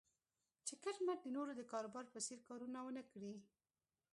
چې کټ مټ د نورو د کاروبار په څېر کارونه و نه کړي.